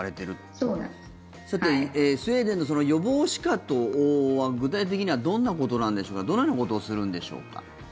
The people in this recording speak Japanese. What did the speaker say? スウェーデンの予防歯科とは具体的にはどんなことなんでしょうかどのようなことをするんでしょうか。